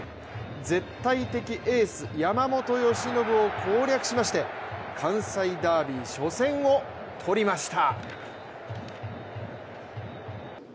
絶対的エース・山本由伸を攻略しまして関西ダービー初戦を取りました。